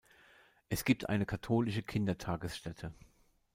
Es gibt eine katholische Kindertagesstätte.